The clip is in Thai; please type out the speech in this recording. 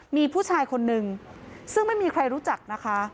มีผู้ชายคนนึงซึ่งไม่มีใครรู้จักนะคะ